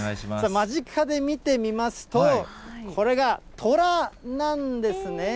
間近で見てみますと、これがトラなんですね。